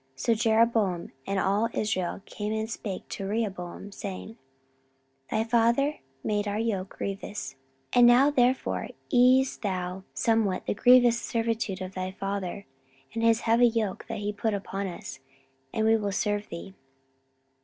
So Jeroboam and all Israel came and spake to Rehoboam, saying, 14:010:004 Thy father made our yoke grievous: now therefore ease thou somewhat the grievous servitude of thy father, and his heavy yoke that he put upon us, and we will serve thee.